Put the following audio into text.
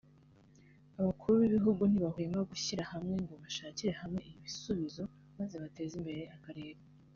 abakuru b’ibi bihugu ntibahwema gushyira hamwe ngo bashakire hamwe ibisubizo maze bateze imbere akarere